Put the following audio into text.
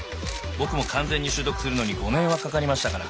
僕も完全に習得するのに５年はかかりましたから。